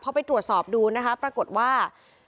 พอไปตรวจสอบดูนะคะปรากฏว่า